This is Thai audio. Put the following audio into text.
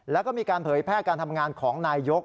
แล้วก็มีการเผยแพร่การทำงานของนายยก